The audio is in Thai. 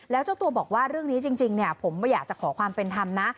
แล้วเจ้าตัวบอกว่าเรื่องนี้จริงผมไม่อยากจะขอความเป็นธรรมนะ